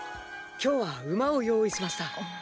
今日は馬を用意しました。